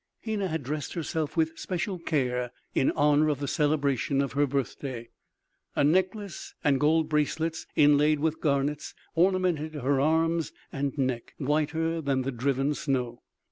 Hena had dressed herself with special care in honor of the celebration of her birthday. A necklace and gold bracelets inlaid with garnets ornamented her arms and neck, whiter than the driven snow.